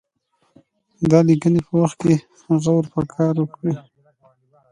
د لیکني په وخت کې غور پکې وکړي.